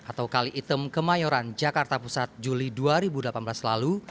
atau kali item kemayoran jakarta pusat juli dua ribu delapan belas lalu